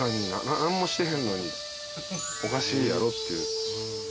「何もしてへんのにおかしいやろ」っていう。